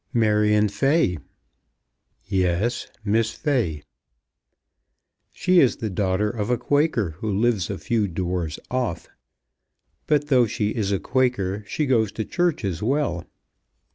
"Marion Fay." "Yes, Miss Fay." "She is the daughter of a Quaker who lives a few doors off. But though she is a Quaker she goes to church as well.